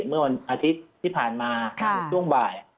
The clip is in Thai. เมื่อวันอาทิตย์ที่ผ่านมาในช่วงบ่าย